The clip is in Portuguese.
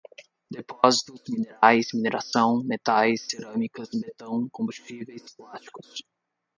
depósitos, minerais, mineração, metais, cerâmicas, betão, combustíveis, plásticos